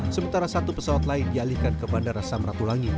sementara satu pesawat lain dialihkan ke bandara samratulangi